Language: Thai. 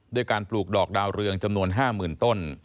ด้วยการปลูกดอกดาวเรืองจำนวน๕๐๐๐ต้น